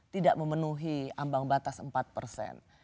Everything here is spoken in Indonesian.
tidak memenuhi ambang batas empat persen